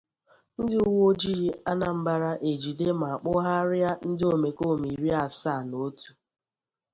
Ndị Uwe Ojii Anambra Ejide Ma Kpọgharịa Ndị Omekoome Iri Asaa Na Otu